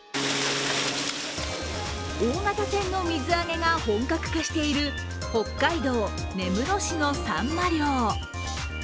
大型船の水揚げが本格化している北海道根室市のサンマ漁。